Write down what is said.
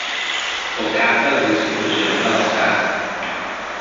O cap de les institucions de l'Estat.